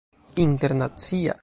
internacia